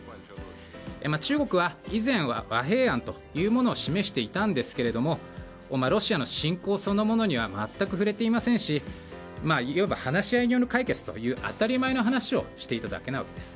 中国は以前は和平案というものを示していたんですがロシアの侵攻そのものには全く触れていませんしいわば話し合いによる解決という当たり前の話をしていただけなわけです。